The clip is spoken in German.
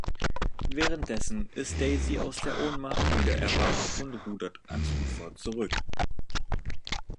Währenddessen ist Daisy aus der Ohnmacht wieder erwacht und rudert ans Ufer zurück.